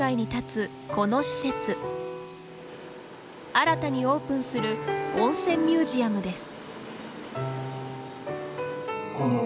新たにオープンする温泉ミュージアムです。